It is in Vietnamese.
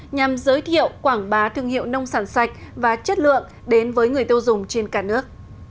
nhằm giới thiệu quảng bá thương hiệu nông sản sạch và chất lượng đến với người tiêu dùng trên cả nước